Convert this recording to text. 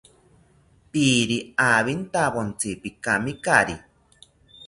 Piiri awintawontzi, pikamikari